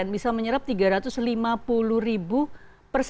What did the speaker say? bisa menyerap rp tiga ratus lima puluh